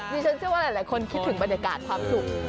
ฉันเชื่อว่าหลายคนคิดถึงบรรยากาศความสุข